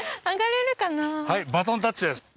はいバトンタッチです。